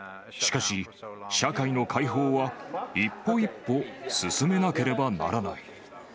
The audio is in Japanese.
しかし、社会の開放は一歩一歩進めなければならない。